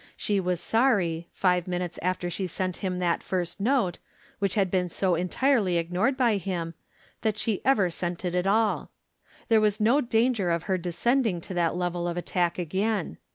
She was sorry, five min utes after she sent him that first note, which had been so entirely ignored by him, that she ever sent it at all. There was no danger of her des cending to that level of attack again.